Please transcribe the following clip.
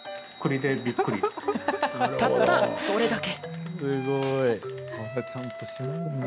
たった、それだけ。